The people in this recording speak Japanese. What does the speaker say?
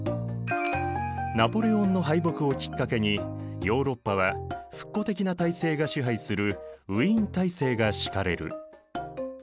ナポレオンの敗北をきっかけにヨーロッパは復古的な体制が支配するウィーン体制が敷かれる。